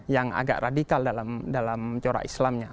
yang agak radikal dalam corak islamnya